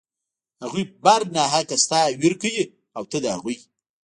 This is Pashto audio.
هغوى پر ناحقه ستا وير کوي او ته د هغوى.